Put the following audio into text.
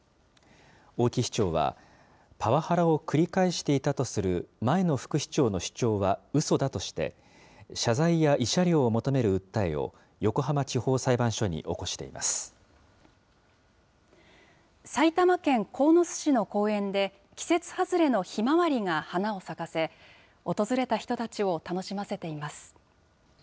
大木市長はパワハラを繰り返していたとする前の副市長の主張はうそだとして、謝罪や慰謝料を求める訴えを、横浜地方裁判所に起こ埼玉県鴻巣市の公園で、季節外れのひまわりが花を咲かせ、訪れた人たちを楽しませています。